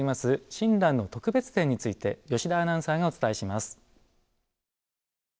親鸞の特別展について吉田アナウンサーがお伝えします。